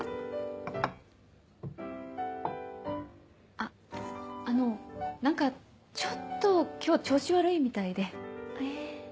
あっあの何かちょっと今日調子悪いみたいで。え。